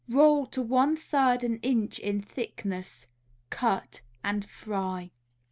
Roll to one third an inch in thickness, cut and fry.